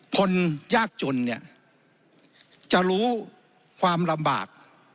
คนยากจนเนี่ยจะรู้ความลำบาก